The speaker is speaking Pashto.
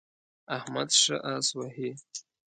احمد ښه اس وهي.